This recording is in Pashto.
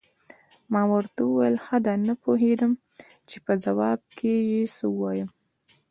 ما ورته وویل: ښه ده، نه پوهېدم چې په ځواب کې یې څه ووایم.